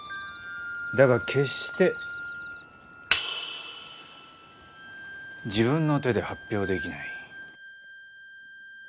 だが決して自分の手で発表できない。